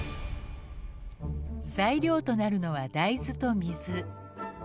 材料となるのは大豆と水。